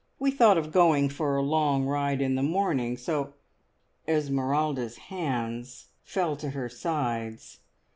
We thought of going for a long ride in the morning, so " Esmeralda's hands fell to her sides.